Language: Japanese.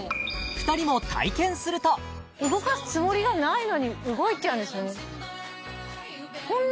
２人も体験すると動かすつもりがないのに動いちゃうんですよね